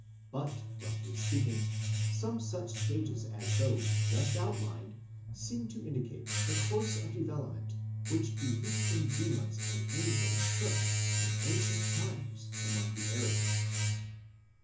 But, roughly speak ing, some such stages as those just outlined seem to indicate the course of development which belief in demons and angels took in ancient times among the Arabs.